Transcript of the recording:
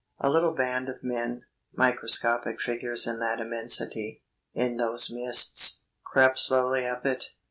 A little band of men, microscopic figures in that immensity, in those mists, crept slowly up it.